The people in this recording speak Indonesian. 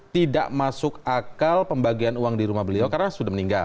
tidak masuk akal pembagian uang di rumah beliau karena sudah meninggal